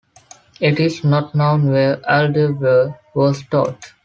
It is not known where Aldegrever was taught.